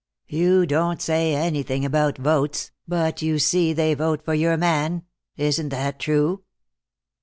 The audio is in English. You don't say anything about votes, but you see that they vote for your man. Isn't that true?"